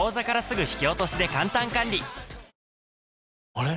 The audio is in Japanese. ・あれ？